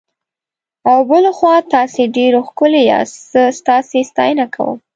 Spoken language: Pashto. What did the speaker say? او بل خوا تاسي ډېر ښکلي یاست، زه ستاسي ستاینه کوم.